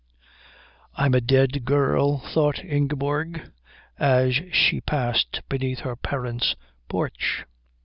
"I'm a dead girl," thought Ingeborg, as she passed beneath her parents' porch.